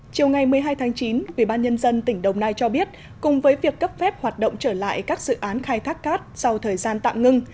chiều ngày một mươi hai tháng chín ubnd tỉnh đồng nai cho biết cùng với việc cấp phép hoạt động trở lại các dự án khai thác cát sau thời gian tạm ngưng